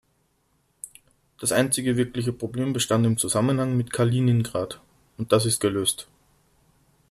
Das einzige wirkliche Problem bestand im Zusammenhang mit Kaliningrad, und das ist gelöst.